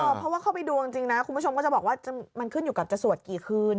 เพราะว่าเข้าไปดูจริงนะคุณผู้ชมก็จะบอกว่ามันขึ้นอยู่กับจะสวดกี่คืน